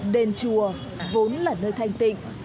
đền chùa vốn là nơi thanh tịnh